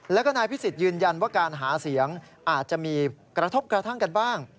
แล้วก็นายพิสิทธิยืนยันว่าการหาเสียงอาจจะมีกระทบกระทั่งกันบ้าง